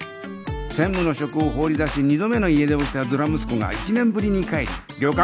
専務の職を放り出し２度目の家出をしたドラ息子が１年ぶりに帰り旅館